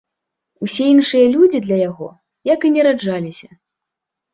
Усе іншыя людзі для яго, як і не раджаліся.